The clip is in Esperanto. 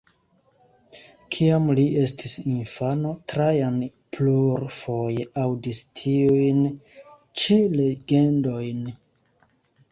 Kiam li estis infano, Trajan plurfoje aŭdis tiujn ĉi legendojn.